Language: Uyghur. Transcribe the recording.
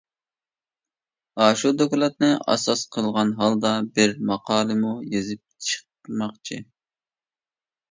ئاشۇ دوكلاتنى ئاساس قىلغان ھالدا بىر ماقالىمۇ يېزىپ چىقماقچى.